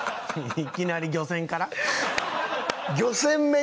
いきなり漁船から？